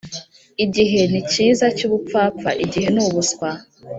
igihe nicyiza cyubupfapfa, igihe nubuswa.